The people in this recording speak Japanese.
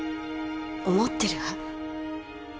思ってるわ